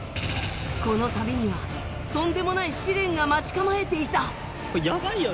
この旅にはとんでもない試練が待ち構えていた！